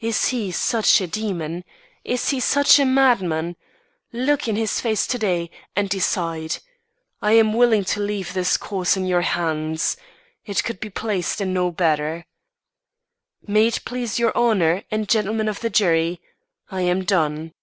Is he such a demon? Is he such a madman? Look in his face to day, and decide. I am willing to leave his cause in your hands. It could be placed in no better. "May it please your Honour, and gentlemen of the jury, I am done."